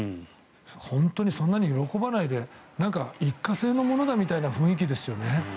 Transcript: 本当にそんなに喜ばないで一過性のものだみたいな雰囲気ですよね。